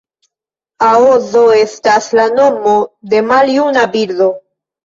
Oazo estas la nomo de maljuna birdo.